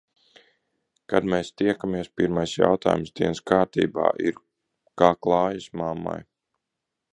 Kad mēs tiekamies, pirmais jautājums dienas kārtībā ir - kā klājas mammai?